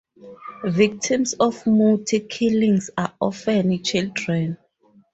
Victims of muti killings are often children.